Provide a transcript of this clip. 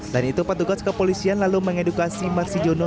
dan itu petugas kepolisian lalu mengedukasi marsi jono